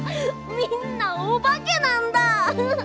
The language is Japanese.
みんなおばけなんだ！